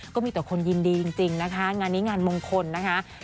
ก็มีแต่คนยินดีจริงนะคะงานนี้งานมงคลนะคะ